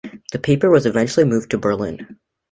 The paper was eventually moved to Berlin.